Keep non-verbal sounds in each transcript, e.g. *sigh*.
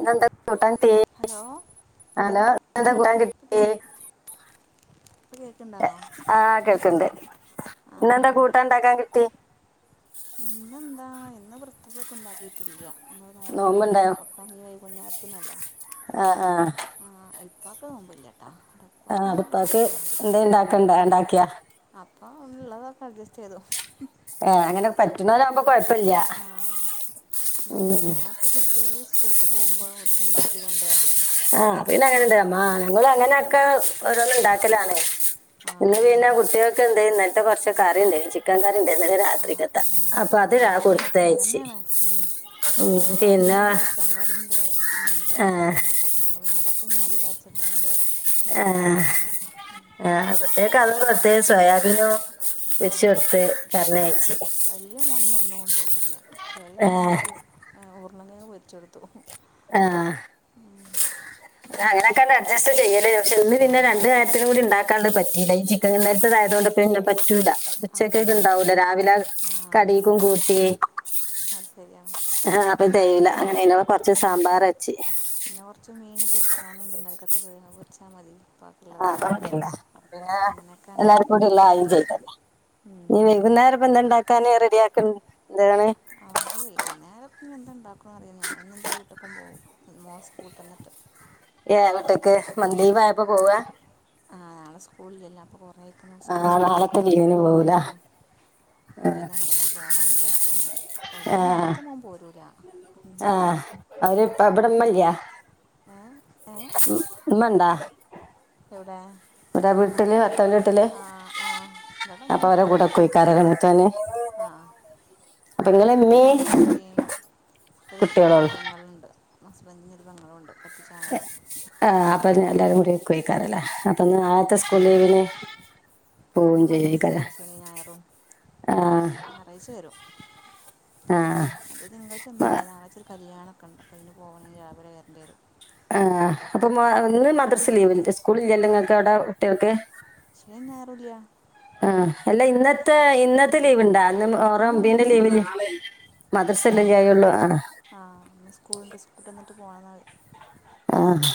ഇന്നെന്താ കൂട്ടാൻ കിട്ടി ഹലോ ഹലോ ഹലോ ഇപ്പം കേ ഇപ്പം എ കേൾക്കുന്നുണ്ടാവോ ആ. കേട്ട് ണ്ട്. ആ ഇന്നെന്താ കൂട്ടാണ്ടാക്കാൻ കിട്ടി. ഇന്നെന്താ ഇന്ന് പ്രതേകായിട്ട് ഉണ്ടാക്കിയിട്ടില്ല. ഇന്ന നോമ്പാണല്ലോ. നോമ്പുണ്ടായോ അപ്പം ഇനി വൈകുന്നേരത്തിനല്ലേ. ആ ആ ആ. മ്മാക്ക് നോമ്പില്ല. കേട്ടോ ഇവിടെ ആ. ഉപ്പാക്കും പ്പാക്ക് നോമ്പില്ല എന്തേലും ഇണ്ടാക്കണ്ടേ ണ്ടാക്കിയാ. ആ ഇളളതൊക്കെ അഡ്ജസ്റ്റ് ചെയ്തു. ഏ അങ്ങനെ പറ്റുണാവുമ്പ കൊഴ്പ്പല്ല. ആ ഉം. ക്ക പോകുമ്പോൾ ഓൽക്ക് ഇണ്ടാക്കിയതുണ്ട്. ആഹ് പിന്നെ അങ്ങനെ ഇണ്ട് അമ്മ ഞങ്ങ ആ അങ്ങനെൊക്കെ ഓരോന്നും ഇണ്ടാക്കലാണേ ആ ഇന്ന് പിന്നെ കുട്ടികൾക്കെ ഉണ്ട് എന്നിട്ടത്തെ കൊറച്ച കറിുണ്ട് ചിക്കൻ ത ആ രാത്രിക്കട്ട ഇന്നത്തെ അപ്പൊ അത് ചിക്കൻ കൊടുത്തയച്ചു എന്നാല അദ്യ ഇണ്ടാക്കി ചിക്കൻ കറി ഉണ്ട് മീൻ ആ, കറിിയ ഒക്കെ ഉണ്ട്ക്ക അപ്പോ പിെ അപ്പ ഞ മതിചാരിച്ചിട്ടുണ്ട് ആഹ ആഹ അത്തേ കാല മത്തേ സോയാബീന ആ വച്ച കൊടുത്ത് പറണയഴച്ചു അത്തില്ല ചെറിയ അവനക്ക് ഊർണ്ണങ്ങ വരിച്ചെടുത്തു ആഏഹ അങ്ങനൊക്കെ അഡ്സ് ചെയ്യലല്ലേ പക്ഷെ ഇന്ന് ആ പിന്നെ രണ്ട കാര്രത്തിന കൂടി ഉ ണ്ടാക്ക ആാണ്ട് പറ്റയി ഈ ചിക്കൻന്നരത്തത്തായത കൊൊണ്ട്ന്നെ പറ്റൂല ഉച്ചക്കൊക്കെ അതന്നെ ഇണ്ടാവൂല രാവിലെ ആ കടക്കും കൂട്ടി അത് ശരിയാണ് ആഹ അപ്പൊ ചെയയ്ല അങ്ങനെ ഇ കൊറച്ച് ഉം. സാമ്പാർ വച്ച കാണുണ്ട നൽക്കത്തത് വച്ചാൽ മതി ബാക്കിയുള്ളത് ആഹ് കണ്ടില്ല പിന്നെ അങ്ങനെയൊക്കെ ഉണ്ട് എല്ലാർക്കും കൂടില്ല ആയ അഡ്ജസ്റ്റ് ചെയ്യും ചെയ്ട്ടല്ല ഉം. നീ വൈകുന്നേര ഇപ്പ എന്തതു ഉണ്ടാക്കാാന് റെഡിയ ആക്ക എന്താണ് അന്ന നേരപ്പ എന്തണ്ട അറിയല്ല എന്ന എൻ്റെ വീട്ടൊക്കം പോകവും മോസ് കൂട്ടന്നിട്ട് ഒക്കെ മതിീ പോയപ്പോൊ പോവ ആ നാളെ സ്കൂളിലല്ല അപ്പോൾ കുറേക്ക സ്കൂ ആഹ് നാളത്തെ തുർക്കണം ലീവിന് മുമ്പ് പോവൂല പോയതാണ് അ ആയതാണ് കുഞ്ഞഞ് പോണം വിചാരിക്കണ്ട് ആഹ ഉം. ആഹ അവര്പ്പ അവിടമ്മല്ല ഏ ഏ മണ്ടാ എവിടെ വീട്ടില് ഭർത്താവിന്റെ വീട്ടില് ആഹ ആഹ ഇവിട അപ്പൊ അവരെ കൂടെ മീപ്പൊക്കണ്ട് പോയിക്കാരല്ലേ മൂത്തോന് ആഹ അപ്പൊ ഇങ്ങള് നിങ്ങളടെ ഇമ്മീം അമ്മപ്പും ഒരു കുട്ടികളോള്ളൂ പെങ്ങളുണ്ട് അസ്ബന്്രുതങ്ങളും ഉണ്ട് കട്ട ആ അപ്പൊ എല്ലാരും കൂടി ഉം. നിക്കുംഏയ്ക്കുരാല്ലേ അപ്പൊ ഉം, ഉം. നാളെത്തെ സ്കൂൾ ലീവിന് പോവും പിന്നെ മദ്രസ ചെയ്യേക്കാരം അല്ലേ ശനി ഞായറും ആഹ് ഞായറാഴ്ച്ച വരും ആഹ് അല്ല തിങ്കാഴ്ച്ച വന്നാ മതി ഞായറാഴ്ചഒരു കല്യാണം ഒക്ക ഉണ്ട് അപ്പം അയിന് പോകണങ്കില് രാവിലെ വരണ്ടി വരും ആഹ് അപ്പൊ ഇന്ന് മദ്രസ് ലീവ് സ്കൂള ഇല്ലല്ല നിങ്ങൾക്ക് അവിടെ കുട്ടികൾക്ക് ശനിയും ഞായറും ഇല്ല ആ അല്ല ഇന്നത്തെ ഇന്നത്തെ ലീവ് ഇണ്ടേ മുഹറം ഇന്ന് ഒബിന്റെമ്പീന്റെ മദ്രസ ഇല്ല ലീവിന് മദ്രസല്ലല്ല ആയള്ളൂ ആ ആഹ് സ്കൂളിണ്ട് സ്കൂള് വിട്ട് വന്നിട്ട് പോണംന്നാ ആഹ്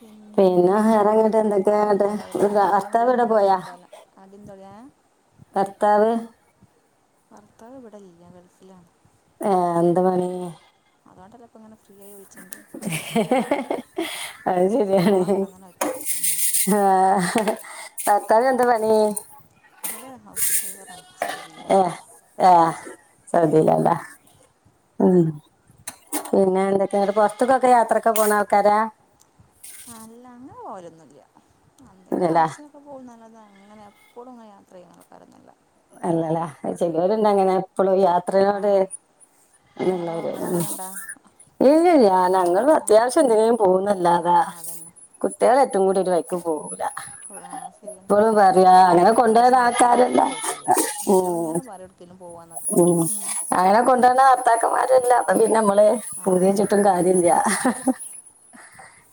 പിന്നെ അപ്പൊ വേറെങ്ങട്ട് നിങ്ങളെ പണി എന്തൊക്കെയാങ്ങട്ട് കഴിഞ്ഞിട്ടുണ്ടാവല്ലേ തിരുമ്പരും ഭർത്താവ് എവിടെ കൂളിയൊന്നും പോയാ കഴിഞ്ഞിട്ടുണ്ടാവില്ല ആദ്യം തൊടയാ ഭർത്താവ് ഭർത്താവ് ഇവിടെ ഇല്ല ഗൾഫിലാണ് ഏഹ് എന്താ പണി അതുകൊണ്ടല്ല ഇപ്പൾ ഇങ്ങനെ ഫ്രീ ആയി വിളിച്ചട്ടുണ്ട് അയ് ശരിയാണ് ഉം. ആഹ് ഭർത്താവിനെന്താ പണീ? അവിടെ ഹൗസ് ഡ്രൈവറാണ് സൗദിയിലാണ് ഏഹ് ഏഹ് സൗദിലാല്ലെ. ഉം പിന്നെ എന്തൊക്കെയാ ഇങ്ങട്ട് പൊർത്ത്ക്കൊക്കെ യാത്രക്കെ പോണ ആൾക്കാരാ? അല്ല, അങ്ങനെ പോവലൊന്നുല്ല. എന്തേലും അല്ലല്ലേ ആവശ്യങ്ങ്ക്ക് പോവുന്നല്ലാതെ അങ്ങനെ എ പ്പളുങ്ങനെ യാത്രയ്യ്ണ ആൾക്കാരൊന്നല്ല. അല്ലല അഹ് ചെയ്ലോല്ണ്ട് അങ്ങനെ എപ്പളു ആ യാത്രനോട്‌ നിങ്ങളോ അയ്നുള്ളവര് ആഹ് നിങ്ങളങ്ങനെ ഉണ്ടോ ഇല്ലല്ല ഞങ്ങള് ആ അത്യാവശ്യം എന്തിനേം ആ പോവുന്നല്ലാതാ അതന്നെ കുട്ടിളെ ട്ടും കൂടി ഒരു വഴിക്ക് പോവൂല ആ അഹ് ശെരിയാ ഇപ്പളും പറയാ രണ്ടു മാസം വെക്കേഷൻ ആയിട്ട് ഒട്ക്കും പോയിട്ടില്ല. ഓഹ് കുട്ടികളിങ്ങനെ പറയും എവിടേക്കേലും പോവാന്നൊക്കെ മ് ഉം. അങ്ങനെ കൊണ്ടോണ വർത്താക്കന്മാരു അല്ല അപ്പ പിന്നെ നമ്മ ള് ആ പൂതിയെച്ചിട്ടും അതന്നെ കാര്യല്ല. ഇഹ് ഇഹ്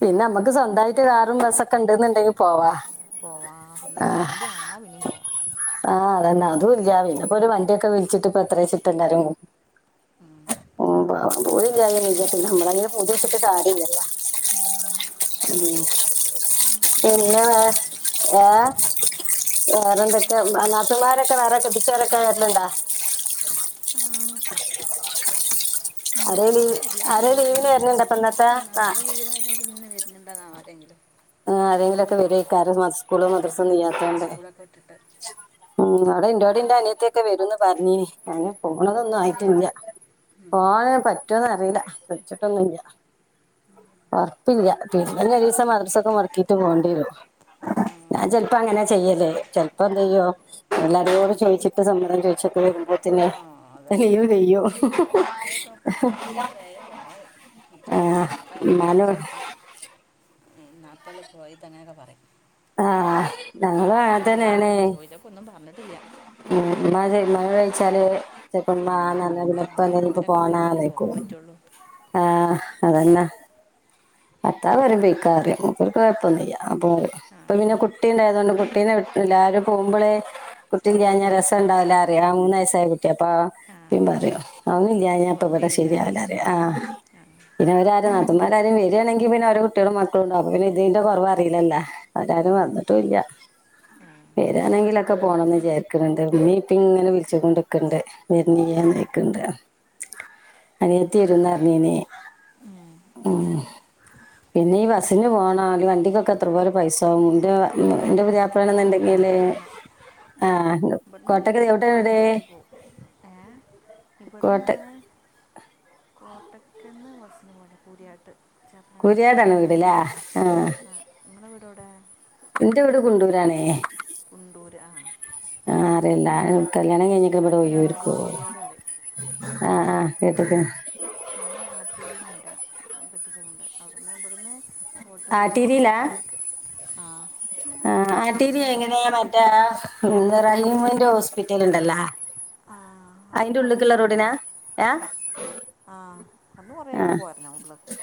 പിന്നെ അമ്മക്ക് സ്വന്തായിട്ട് കാറും ബസ്സൊക്കെ ഇണ്ട്ന്ന്ണ്ടെങ്കി പോവാ. പോവാ പിന്നൊര് വണ്ടി വാണം ഇന്നാ പിന്നീം പോവാ. എന്നാ അതു ഇല്ല. പിന്ന ഇപ്പ ഒരു വണ്ടിയൊക്കെ വിളിച്ചിട്ട് ഇപ്പ എത്രെച്ചിട്ട എല്ലാരേം കൂ ഉം. ഉം പാ പൂതില്ലായൊന്നില്ല പിന്നെ നമ്മള് അയിന് പൂതി വെച്ചിട്ട് കാര്യല്ലല്ലോ. ഉം പിന്നെ വേ എന്തൊക്കെ ഏഹ് വേറെന്തൊക്കെ? നാത് മാരൊക്കെ വേറെ ക്കെട്ടിചോരൊക്കെ വെര്ല്ണ്ട? ആ ആ ഓലൊക്കെ വെര്ലക്കെണ്ട്. ലീവിന് ഇന്ന് വരലുണ്ട് ഇപ്പൊ ഇന്നത്തെ ഇനിയിപ്പ ആ നാളെ ലീവ് ആയതുകൊണ്ട് ഇന്ന് വെര്ണും *unintelligible* ആ ആരെങ്കിലൊക്കെ വരോയിക്ക ഇന്ന് മസ്കൂളും ഉം. മദ്റസൊന്നു ആ ഇല്ലാത്തോണ്ട് സ്കൂളൊക്കെ വിട്ടിട്ട് ഉം അവിടെ ഇന്റോ ഇന്റ അനിയത്തിയൊക്കെ വെരുംന്ന് പർഞ്ഞീനി. അയ്ന് നിങ്ങൾ പോണതൊന്നും പോണില്ലേ ആയിട്ടില്ല്യ. ഉം. പോവാന് പറ്റോന്ന്‌ അറീല. വിളിച്ചിട്ടൊന്നുല്ല്യ. ഒറപ്പില്ല്യ പിന്നെഞ്ഞ് ഒരീസം മദ്ർസൊക്കെ മൊടക്കീട്ട് പോണ്ടിയേരും. ആ ഞാൻ ചെലപ്പോ അങ്ങനെ ചെയ്യല് ചെലപ്പെന്തെയ്യും എല്ലാരോടും ചോയ്ച്ചിട്ട് സമ്മതം ചോയ്ച്ചൊക്കെ വരു മ്പത്തിന് ആ അതന്നെ ലീവ് കയ്യും. ഞാനും കുറേക്കണ് ചോയ് *inaudible* ചെലപ്പ അയക്കൂല ചെലപ്പ ഇന്നാപ്പല്ലേ പോയത് അങ്ങനെക്കെ പറിം. ആഹ് ഞങ്ങളും ഇന്നതായാലും അങ്ങൻതന്നേണ് ഞാൻ ചോദിച്ചപ്പോൾ ഒന്നും പറഞ്ഞിട്ടില്ല ഉം ഇന്നാ ചോ ഉമ്മാനോടൊയ്ച്ചാല് ചെൽപ്പ ഇമ്മ ഉം. നാറഞ്ഞ പിന്ന ഇപ്പ നമ്മളെ *unintelligible* വന്നേ ചോയ്ക്കും അമ്മമാരൊക്കെ പോണ്ട ഉണ്ടാവുമ്പോഴല്ലേ പോകാൻ ന്നൊയ്ക്കും പറ്റുള്ളൂ ആ അതന്നാ ഭർത്താവ് പറയും പൊയ്ക്ക പറയും മൂപ്പർക്ക് കുഴപ്പൊന്നുയ്യ അപ്പോ ആ ഇപ്പൊ പിന്നെ കുട്ടീണ്ടായത് കൊണ്ട് കുട്ടീന വിട്ട് എല്ലാരും പോകുമ്പോളേ ചെറിയ കുട്ടില്ലാഞ്ഞ കുട്ടിക്കാര രസം ഉണ്ടാവില്ല ആ പറിയ മൂന്ന്‌ വയസ്സായ കുട്ടിയ അപ്പാ ആ അഒന്നൂല്യ അതൊക്കെ ഇപ്പ ഇവിടെ വെറുതെയുടെ കാര ശരിയാവില്ലാ അറിയാ ആ ആ പിന്നെ ഇവരാര് മാരാരേം വരിയാണെങ്കി പിന്നെഓര കുട്ടികളും മക്കളുണ്ട അപ്പപിന്ന ഇതിന്റെ കുറവ അറിയില്ല അവരാരും അതന്നെ വന്നിട്ടും ഇല്ല ആ വരാണെങ്കിലൊന്നു ക്കെ പോണംന്ന് വിചാരിക്കണണ്ട് ഇമ്മി ഇപ്പേം ഇങ്ങനെ വിളിച്ച് കൊണ്ട്ക്കണ്ട് ഏ. വെരണില്ല്യേന്നോയ്ക്കണ്ട്‌ ഉം. *unintelligible* ഉം പിന്നെ ഈ ബസ്സിന് പോണ അല്ലെങ്കി വണ്ടിക്കൊക്കെ എത്ര പോലെ പൈസ ആവും ആ ഞാനും എന്റെ ബസ്സിൽ തന്നെ പോവില്ല പുതിയാപ്ലാണ്ന്നുണ്ടെങ്കില് കോട്ടക്കന്ന് ആഹ് ഇവിടുന്ന് കോട്ടക്കല് എവിടെ ചിലപ്പോൾ വീട് വണ്ടിയിലിച്ച് പോവും ഏ *unintelligible* ഇവിടുന്ന് കോട്ട ഞാന് കോട്ടക്കന്ന് വസന പോെ പൂര്യാട്ട് കുര്യാടാണ് വീടല്ലേ ആഹ് ആ നിങ്ങളുടെ വീട് എവിടെ എന്റെ വീട് കുണ്ടൂരാണേ കുണ്ടൂര് ആ ആ അറിയില്ല കല്യാണം കഴിഞ്ഞക്ക ഇവിടെ ചാപ്പനങ്ങാടി ഒയരിക്കുവോ കൂരിയാട് പറയും ആ ആഹ് കേട്ട്ക്ക്ണ് ട്ടിരി കണ്ട കെട്ടിച്ചുകൊണ്ട് അവിടുന്ന് ഇവിടുന്ന് ഓട്ടോ വിളിച്ച് പോകണം ആട്ടീരിലാ കോട്ടയക്ക് ആ ആ ആട്ടിരി ഇവിടുന്ന് എങ്ങനെയാ മറ്റാ റഹീമിന്റെ ഹോസ്പിറ്റലിണ്ടല്ല ആ അത് അയിന്റെ ഉള്ളക്കുള്ള കോട്ടക്കലല്ലേ റോഡിനാ ഏഹ് അന്ന് കൊറേങ്ങ് പോരണം ഉള്ളക്ക്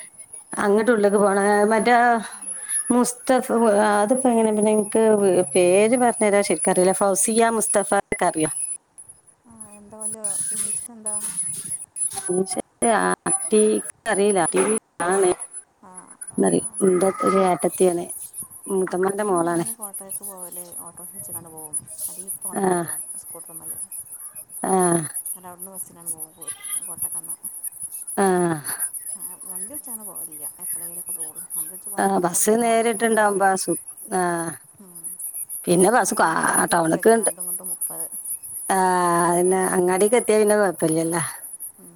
ള്ളത് പോണ് മറ്റാ മുസ്തഫ ആ അതിപ്പങ്ങനെ ഇൻക്ക് പേര് പറഞ്ഞരാൻ ശെരിക്കറില്ല ഫൗസിയ മുസ്ത മുസ്തഫ കറിയോ ആ എന്താ ഓന്റെ ഇനീഷല് എന്താ പൂച്ചനെ ആട്ടി ഇനിക്കറില ഉം ആണ് ആ ആ, ന്നാല് ആ, കൊണ്ടാക്കല് ഏട്ടത്യാണ് ഇവിടന്ന് ഞാൻ കോട്ടയക്ക് പോകല് ഓട്ടർഷളിച്ചാണ്ട് പോകും അല്ലങ്കിൽ ഇപ്പ ആ കൊണ്ടാക്കി തരും സ്കൂട്ടർമല് ആ എക്സിഡാണ് മോൻ പോയ്‌ കോട്ടക്കന്നാ ആഹ വണ്ടി ൾച്ചാണ് പോവേല്ല എപ്പളെങ്കിലും പോവൊള്ളൂ വണ്ടി ൾച്ച് പോവാൻ ഇുന്നൂറുപ്പ്യ മാണം മൊതലാവുല സു ആ പിന്നെ ബസ്സ് ബസ്സിനാകുമ്പോൾ കാ പിന്നെ പതിനഞ്ച് റുപ്യ മതി ടൗണ്ക്ക്ണ്ട് ആണ്ടും ഇങ്ങോട്ടും മുപ്പത് ആഹ അന്നെ അങ്ങാടിക്ക് എത്തിയാ പിന്നെ കൊഴപ്പല്ലല്ലോ ഉം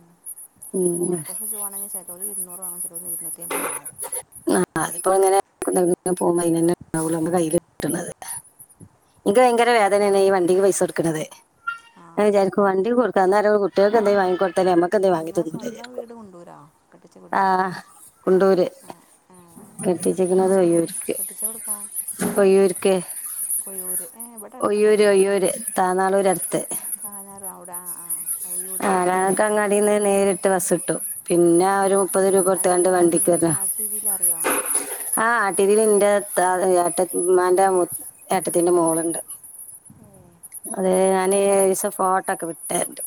ഓട്ടോക്ക് വിളിച്ച് പോണങ്കില് ചെലോര് ഇരുന്നൂറ് വങ്ങും ചെലോര് ഇരുന്നൂറ്റി അയ്മ്പും മാങ്ങും ആ ഇപ്പളങ്ങനെ ഇപ്പള് പോവുമ്പോ അയിനന്നെ ഉം. കയില് കിട്ട്ന്നത് ഇൻക്ക് ഭയങ്കര വേദനനെന് ഈ വണ്ടില് പൈസ കൊടുക്കുന്നത് ആ ഞാ വിചാരിക്കും വണ്ടി കൊടുക്കാ അന്നേരം കുട്ട്യേക്ക് എന്തെലും വാങ്ങിക്കൊട്ത്താല് നമക്ക് നിങ്ങളെ സ്വന്തം വീട് മുണ്ടുരാ കെട്ടിച്ച വിടാ ഏ കെട്ടിച്ച്ക്ക്ണത് ഒയ്യൂര്ക്ക് കെട്ടിച്ച് കൊടുക്കാം ഒയ്യൂര്ക്ക് കൊയ്യൂർ ഏ ഇവിടെ ഒയ്യൂര് ഒയ്യൂര് താന്നാളൂര് അടുത്ത് കാഞ്ഞാറ ഔടെ ആ ആ് ഒയൂര്ല്ലേ ആ ഞങ്ങൾക്ക് ശരി അങ്ങാടിന്ന് നേരിട്ട് ബസ് കിട്ടും പിന്നെ ഏ, ഒരു മുപ്പത് രൂപ അല്ല കൊടുത്താണ്ട് നിങ്ങൾക്ക് വണ്ടിക്ക്ല്ലേ ആട്ടിരിയിൽ അറിയോ ആ നാട്ടീലിന്റെ ഇത്ത ഏട്ടതി മ്മാന്റെ മു ഏട്ടത്തിന്റെ മോളുണ്ട് ഏ അതെ ഞാന് രിസം ഫോട്ടോക്കെ വിട്ടരണ്ട്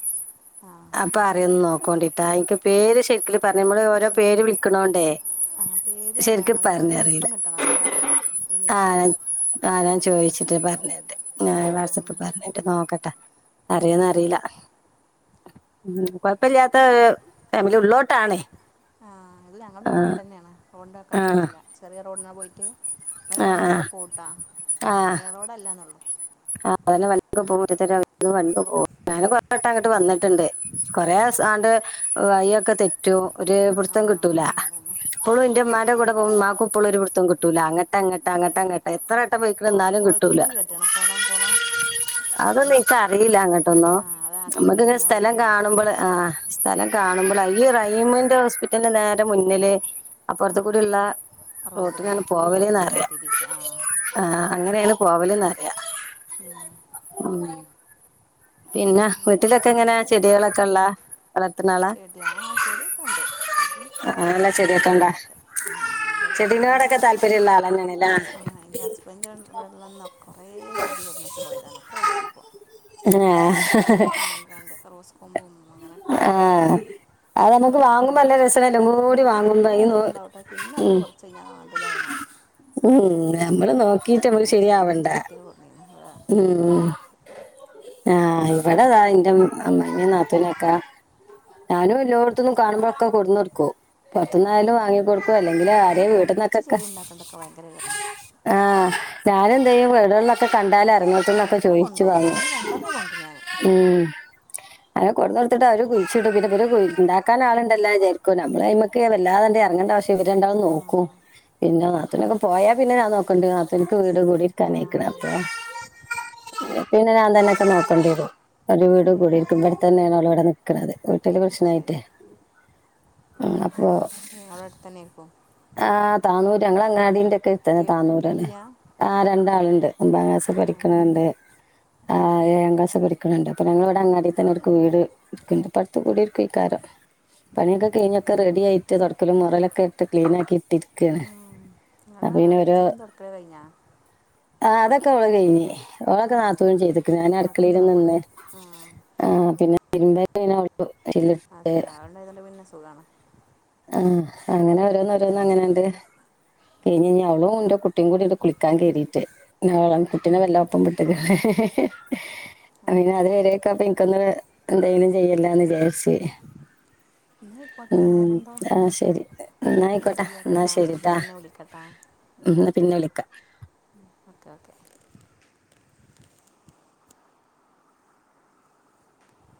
ആ അപ്പൊ അറിയൊന്ന് നോക്കോണ്ടിട്ടോ എനിക്ക് പേര് ശെരിക്ക് പറയുമ്പള് ഓരോ പേര് വിളിക്ക്ണോണ്ടേ അതല്ല ഓലെ ഉല്പ്പം കിട്ടണം ന്നാലെ അറിയൊള്ളൂ ഇനീഷല് ആഹ് ആഹ് ഞാൻ ചോയിച്ചിട്ട് പറഞ്ഞരണ്ട് ഞാൻ വാട്സപ്പ് ഉം പറഞ്ഞരണ്ട് നോക്കട്ടെ അറിയോന്ന് അറീല ഉം കൊഴപ്പല്ലാത്ത ഒര് ഉള്ളോട്ടാണ് അല്ല ഞങ്ങൾതും ഉള്ളോട്ടന്നാണ് റോഡിന്റെ വക്കത്ത് ആഹ് ഒന്നല്ല ചെറിയ റോഡിനാ പോയിട്ട് ന്നാലും ആഹ് വണ്ടിക്കെ ആഹ് പോവുട്ടോ ആഹ് മെയിൻ റോഡ് അല്ലാന്നൊള്ളു *unintelligible* ഞാൻ കൊറെ വട്ടം അങ്ങോട്ട് വന്നിട്ടുണ്ട് കൊറെ ച്ചാണ്ട് വൈയൊക്കെ തെറ്റും ഒരു ആ പിട്ത്തം കിട്ടൂല ആ അതന്നെ പ്പോളും ആ ഇന്റെമ്മാന്റെ കുടെ പോക്കും ഇമ്മാക്ക് ഇപ്പോള്ളും ഒരു പിട്ത്തം കിട്ടൂല അങ്ങട്ട് അങ്ങട്ട് അങ്ങട്ട് അങ്ങട്ട് എത്ര വട്ടം പോയിക്കണം കൊള എന്നാലും കിട്ടൂല കൊളത്തിന് കേട്ട്ണോ കൊളം കൊളം അതൊന്നും എനിക്കറില അങ്ങോട്ടൊന്നും ആ അത് ആട്ടിലേക്ക് നമ്മക്ക് വരുന്ന സ്ഥലം വഴിക്കലാണ് കാണുമ്പള് ആ് സ്ഥലം കാണുമ്പള് ഈ റഹിമിന്റെ ഹോസ്പിറ്റലിന്റെ നേരെ മുന്നില് ആ അപ്പർത്തുകൂട്ള്ള റോട്ടിനാണ് റോഡിനായി കൂടി പോരും ഇങ്ങോട്ട് പോവല്ന്നറിയാം ആട്ടിലേക്ക് ആ ആ അങ്ങനെണ് പോവല്ന്നറിയാം ഉം ഉം പിന്നെ വീട്ടിലൊക്കെങ്ങനെ ചെടികളൊക്കെ ഇണ്ടോ ചെട്യ ആ ചെടിയൊക്കെ ഇണ്ട് ചെടിക്കെ വെക്കാനൊക്കെ അങ്ങനെയുള്ള ചെടിയൊക്കെ സ്ഥലണ്ട് ഉണ്ടാ വെള്ളക്കെണ്ട് ഉം ഇല്ല ചെടിനോടൊക്കെ താല്പര്യമുള്ള ആളന്നെയാണല്ലേ ആ എന്റെ ഹസ്ബൻഡ് വന്നന്ന് കൊറേ ചെടി കൊണന്നച്ച് പോയതാണ് ഒക്കെ പോയിപ്പോൾ ആഹ് പൈസ കൊടുത്ത് വാങ്ങിക്കാണ്ട് റോസ്കൊമ്പ് ആ അത് നമക്ക് കുറേ വാങ്ങുമ്പോ നല്ല രസല്ലേ എല്ലാകൂടി വാങ്ങുമ്പോൾ വാങ്ങും നല്ല അയിന് രസം ഉണ്ടാവും കേട്ടോ പിന്നെ അത് ഉം കുറച്ച് കഴിഞ്ഞാൽ കണ്ടതാവണാണ് ഉം നമ്മള് നോക്കിട്ട് നമ്മക്ക് കുറേ ചെടിയും ശരിയാവണ്ടേ ചട്ടിയൊക്കെ കൊണ്ടുവന്നു വെള്ള ഉം ടൈപ്പ് ആഹ് ഇവിടെതാ ഇന്റെ ഇമ്മ് അമ്മി നട് ത്ത്നക്കാ ഞാനും എല്ലോട്ത്ത്ന്നും കാണുമ്പോഴൊക്കെ കൊണ്ടോന്ന് കൊടുക്കും ആ പൊർത്ത്ന്നായാലും വാങ്ങി കൊടു അല്ലെങ്കില് ആരെ ഞാനും വീട്ട്ന്നൊക്കൊ കൊണ്ടുവച്ച് ക്കെ ചെടി ഉണ്ടാക്കേണ്ടതൊക്കെ ഭയങ്കര ഇതറാണ് ആ ഞാനെന്ത് ചെയ്യും വീടുകളിലൊക്കെ കണ്ടാല് പറ്റുന്നോടത്ത്ന്നൊക്കെ കണ്ടാൽ ചോയിച്ചു കൊണ്ടുപോകും ഇവിടെ വാങ്ങും നിന്ന് കണ്ടാലേ കൊണ്ടുപോകും ഞാൻ മ്മ് അങ്ങനെ കൊണ്ട് കൊടുത്തിട്ട് അവര് കുഴിച്ചിട്ടും പിന്നെ ഇവര് ഉണ്ടാക്കാൻ ആള് ഇണ്ടല്ലോ വിചാരിക്കും പിന്നെ ഞമ്മള് അയ്മ്മക്ക് വല്ലാതെ തണ്ടെ ഇറങ്ങേണ്ട ശ ഇവര് രണ്ടാളും ആ നോക്കും പിന്നെ നാത്തുനൊക്കെ പോയാ പിന്നെ ഞാൻ നോക്കണ്ട് നാത്തൂന്ക്ക് വീട് കൂടി ഒക്കെ ആ ആയിരിക്കണ് അപ്പൊ പിന്നെ ഞാൻ തന്നെക്കെ നോക്കണ്ടി വരും ഓര് വീട് ഏ കുടീരിക്കുമ്പോഴ് തന്നെയാണ് ഓല് ഇവിടെ നിക്കണത് വീട്ടില് ആ പ്രശ്നായിട്ടേ ശരി അപ്പൊ ഓള് ആടെ തന്നെ ആരുക്കോ ആഹ് താന്നൂര് ഞങ്ങള് അങ്ങാടിന്റെ ഒക്കെ അട്ത്ത് താന്നൂരന്നെ കുട്ടികളില്ല ആ രണ്ടാളുണ്ട് ഒമ്പതാം ക്ലാസ് പഠിക്കണണ്ട് ഏഴാം ക്ലാസ് പഠിക്കണണ്ട് അപ്പൊ ഞങ്ങള് ഇവിടെ അങ്ങാടി തന്നെ ഓർക്ക് വീട് എടുക്കുന്നുണ്ട് ഇപ്പ അടുത്ത് തന്നെ കൂടിരിക്കും ഈക്കാരം പണിയൊക്കെ കയിഞ്ഞ് ഒക്കെ റെഡിയായിട്ട് തൊടക്കലും മുറലൊക്കെ ഇട്ട് ക്ലീന് ആക്കി ഇട്ടിരിക്കാണ് അപ്പൊ പിന്നെ അടിച്ചതും തുടക്കലും കഴിഞ്ഞാ ആ അതൊക്കെ ഓള് കഴിഞ്ഞ് ഓളൊക്കെ നാത്തുനും ചെയ്തു പിന്നെ അടുക്കള പണി ആ ആഹ് പിന്നെ തിരുമ്പനെ ആ ശരി ആള് ഇള്ളോണ്ട് പിന്നെ സുഖമാണ് ആ അങ്ങനെ ഓരോന്ന് ഓരോന്ന് അങ്ങനെയുണ്ട് കഴിഞ്ഞ് കഴിഞ്ഞ അവളും ഓൻ്റെ കുട്ടിയും കൂടി കുളിക്കാൻ കേറിയിട്ട് ഞങ്ങൾ കുട്ടീനെ വല്ല ഒപ്പം വിട്ട് ഹ പിന്നെ അത് വരൊക്കെ അപ്പൊ ഇനിക്കൊന്ന് എന്തെങ്കിലും ചെയ്യല്ലോന്ന് വിചാരിച്ച് എന്നാൽ ആയിക്കോട്ടെ മ്മ് വേറെന്താ ആ ശരി എന്ന എന്നാൽ ആയിക്കോട്ടെ ശരി എന്നാ ഓക്കെട്ടാ എന്നാൽ ശരിട്ടാ പിന്നെ വിളിക്കട്ടാ മ്മ് എന്നാ പിന്നെ വിളിക്ക ഓക്കെ ഓക്കേ